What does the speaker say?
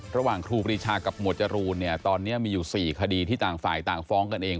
ครูปรีชากับหมวดจรูนเนี่ยตอนนี้มีอยู่๔คดีที่ต่างฝ่ายต่างฟ้องกันเอง